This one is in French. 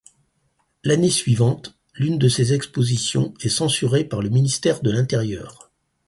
L'année suivante, l'une de ses expositions est censurée par le Ministère de l'intérieur.